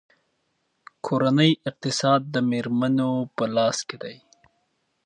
کورنۍ اقتصاد د میرمنو په لاس کې دی.